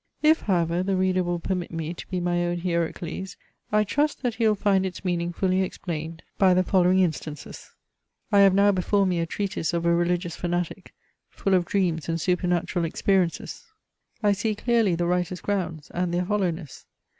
If however the reader will permit me to be my own Hierocles, I trust, that he will find its meaning fully explained by the following instances. I have now before me a treatise of a religious fanatic, full of dreams and supernatural experiences. I see clearly the writer's grounds, and their hollowness.